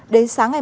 đến sáng ngày hai